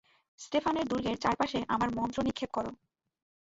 স্টেফানের দূর্গের চারপাশে আমার মন্ত্র নিক্ষেপ করো।